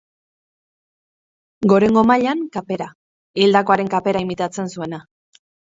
Gorengo mailan, kapera, hildakoaren kapera imitatzen zuena.